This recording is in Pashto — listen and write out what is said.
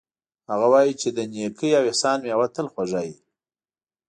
هغه وایي چې د نیکۍ او احسان میوه تل خوږه وي